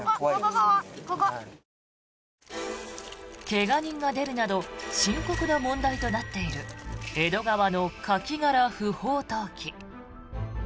怪我人が出るなど深刻な問題となっている江戸川のカキ殻不法投棄。